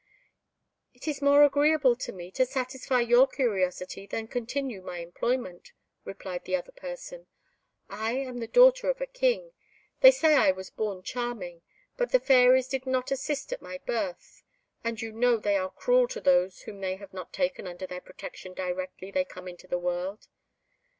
"It is more agreeable to me to satisfy your curiosity than to continue my employment," replied the other person. "I am the daughter of a King; they say I was born charming, but the fairies did not assist at my birth, and you know they are cruel to those whom they have not taken under their protection directly they come into the world."